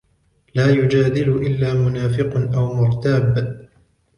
لَا يُجَادِلُ إلَّا مُنَافِقٌ أَوْ مُرْتَابٌ